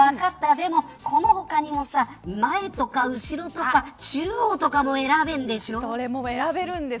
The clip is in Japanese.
でも、この他にも前とか後ろとかそれも選べるんです。